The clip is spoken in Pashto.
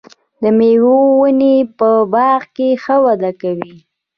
د مېوو ونې په باغ کې ښه وده کوي.